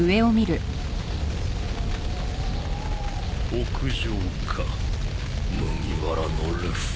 屋上か麦わらのルフィ。